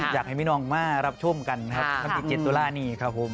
อยากให้มินองมารับชมกันครับที่เจ็ดตุลานี้ครับผม